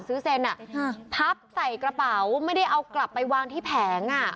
เซ็นพับใส่กระเป๋าไม่ได้เอากลับไปวางที่แผงอ่ะ